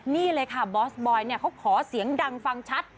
นี่เลยค่ะบอสบอยเขาขอเสียงดังฟังชัด